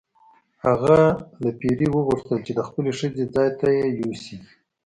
هغه له پیري وغوښتل چې د خپلې ښځې ځای ته یې یوسي.